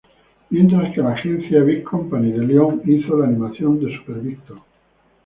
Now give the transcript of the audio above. Mientras que la agencia Big Company de Lyon hizo la animación de Super Victor.